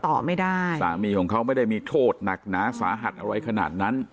ต่อไม่ได้สามีของเขาไม่ได้มีโทษหนักหนาสาหัสอะไรขนาดนั้น